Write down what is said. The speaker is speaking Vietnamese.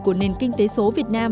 của nền kinh tế số việt nam